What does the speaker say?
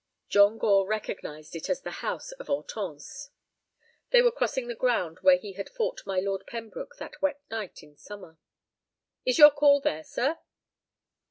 John Gore recognized it as the house of Hortense. They were crossing the ground where he had fought my Lord Pembroke that wet night in summer. "Is your call there, sir?"